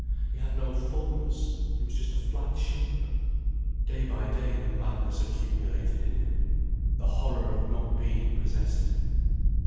He had no fullness, he was just a flat shape. Day by day the madness accumulated in him. The horror of not being possessed him.